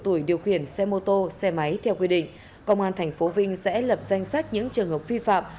từ tuổi điều khiển xe mô tô xe máy theo quy định công an thành phố vinh sẽ lập danh sách những trường hợp vi phạm